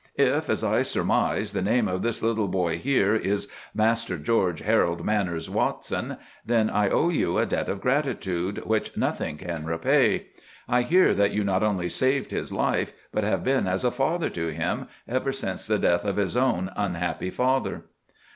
"If, as I surmise, the name of this little boy here is Master George Harold Manners Watson, then I owe you a debt of gratitude which nothing can repay. I hear that you not only saved his life, but have been as a father to him, ever since the death of his own unhappy father."